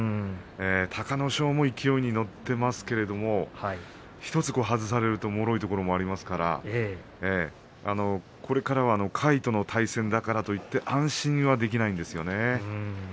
隆の勝も勢いに乗っていますけど１つ外されるともろいところがありますからこれからは下位との対戦だからといって安心はできないんですよね。